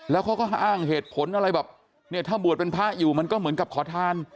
แล้วเขาก็อ้างเหตุผลอะไรแบบเนี่ยถ้าบวชเป็นพระอยู่มันก็เหมือนกับขอทาน